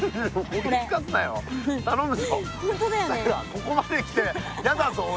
ここまで来てやだぞ俺。